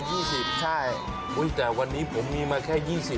จานละ๒๐บาทใช่อุ๊ยแต่วันนี้ผมมีมาแค่๒๐